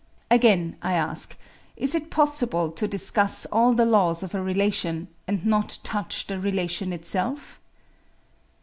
"Again, I ask, is it possible to discuss all the laws of a relation, and not touch the relation itself?